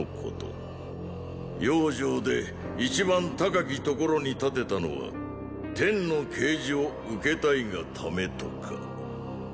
雍城で一番高き所に建てたのは天の啓示を受けたいがためとか。